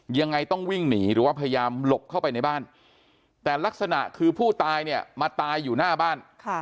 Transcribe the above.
ยังไงต้องวิ่งหนีหรือว่าพยายามหลบเข้าไปในบ้านแต่ลักษณะคือผู้ตายเนี่ยมาตายอยู่หน้าบ้าน